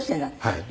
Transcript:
はい。